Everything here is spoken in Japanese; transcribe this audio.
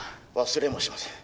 「忘れもしません」